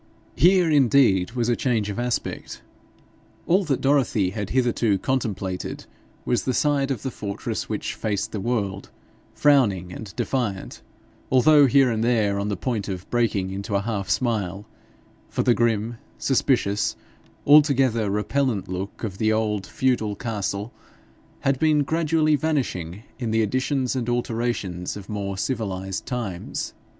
Here, indeed, was a change of aspect! All that Dorothy had hitherto contemplated was the side of the fortress which faced the world frowning and defiant, although here and there on the point of breaking into a half smile, for the grim, suspicious, altogether repellent look of the old feudal castle had been gradually vanishing in the additions and alterations of more civilised times.